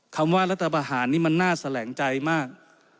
คำว่ารัฐประหารนี่มันน่าแสลงใจมาก